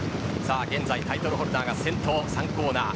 現在、タイトルホルダーが先頭３コーナー。